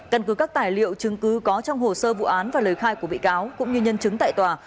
căn cứ các tài liệu chứng cứ có trong hồ sơ vụ án và lời khai của bị cáo cũng như nhân chứng tại tòa